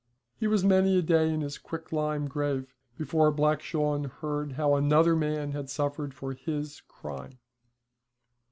He was many a day in his quicklime grave before Black Shawn heard how another man had suffered for his crime.